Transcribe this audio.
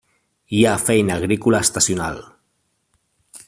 Hi ha feina agrícola estacional.